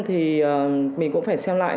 thì mình cũng phải xem lại